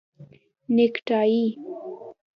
👔 نیکټایې